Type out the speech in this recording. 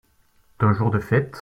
D’un jour de fête ?